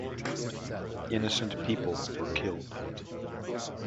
Innocent people were killed.